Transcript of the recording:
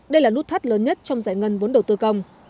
đây là nút thắt lớn nhất trong giải ngân vốn đầu tư công